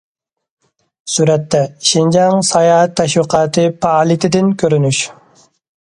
سۈرەتتە: شىنجاڭ ساياھەت تەشۋىقاتى پائالىيىتىدىن كۆرۈنۈش.